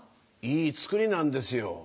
いい造りなんですよ。